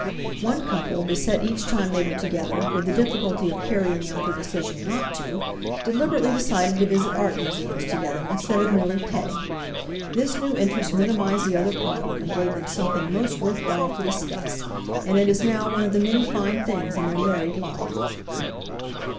One couple beset each time they were together with the difficulty of carrying out their decision not to, deliberately decided to visit art museums together instead of merely "petting"; this new interest minimized the other problem and gave them something most worth while to discuss, and it is now one of the many fine things in their married life.